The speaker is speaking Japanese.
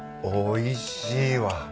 おいしいわ。